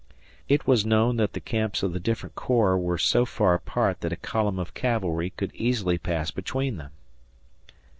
It was known that the camps of the different corps were so far apart that a column of cavalry could easily pass between them.